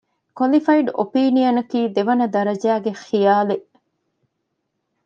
ކޮލިފައިޑް އޮޕީނިއަނަކީ ދެވަނަ ދަރަޖައިގެ ޚިޔާލެއް